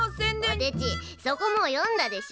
こてちそこもう読んだでしょ。